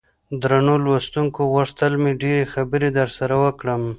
درنو لوستونکو غوښتل مې ډېرې خبرې درسره وکړم.